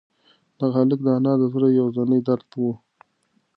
دغه هلک د انا د زړه یوازینۍ درد و.